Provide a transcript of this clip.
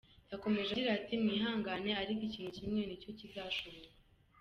Yakomeje agira ati “Mwihangane, ariko ikintu kimwe ni cyo kizashoboka!”.